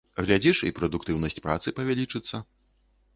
Глядзіш, і прадуктыўнасць працы павялічыцца.